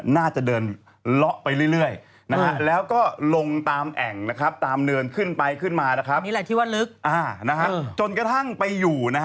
น่าจะเดินล้อไปเรื่อย